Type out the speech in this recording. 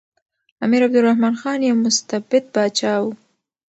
امیر عبدالرحمن خان یو مستبد پاچا و.